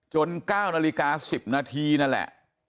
๙นาฬิกา๑๐นาทีนั่นแหละ